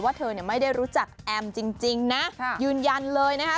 เธอไม่ได้รู้จักแอมจริงนะยืนยันเลยนะคะ